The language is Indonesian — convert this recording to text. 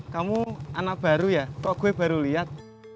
kamu anak baru ya kok gue baru liat